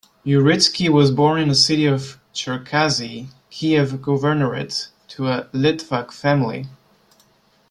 Uritsky was born in the city of Cherkasy, Kiev Governorate, to a Litvak family.